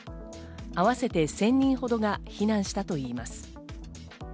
合わせて１０００人ほどが避難したといいます。